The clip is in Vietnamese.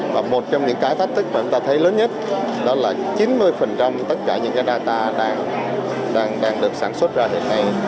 và một trong những cái thách thức mà chúng ta thấy lớn nhất đó là chín mươi tất cả những cái data đang được sản xuất ra hiện nay